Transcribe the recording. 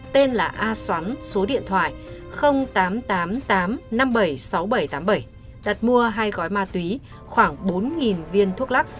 tên là a xoắn số điện thoại tám trăm tám mươi tám năm mươi bảy sáu nghìn bảy trăm tám mươi bảy đặt mua hai gói ma túy khoảng bốn viên thuốc lắc